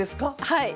はい。